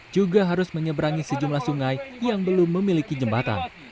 juga harus menyeberangi sejumlah sungai yang belum memiliki jembatan